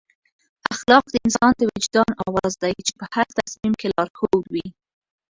اخلاق د انسان د وجدان اواز دی چې په هر تصمیم کې لارښود وي.